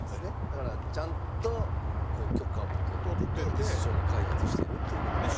だからちゃんと許可も取ってて一緒に開発してるっていう事です。